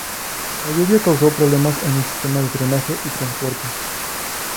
La lluvia causó problemas en el sistema de drenaje y transporte.